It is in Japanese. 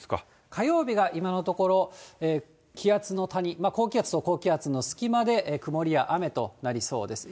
火曜日が今のところ、気圧の谷、高気圧と高気圧の隙間で曇りや雨となりそうです。